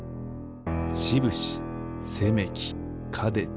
しぶしせめきかでち。